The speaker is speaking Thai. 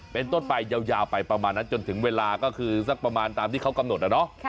เป็นต้นไปยาวไปประมาณนั้นจนถึงเวลาก็คือสักประมาณตามที่เขากำหนดนะเนาะ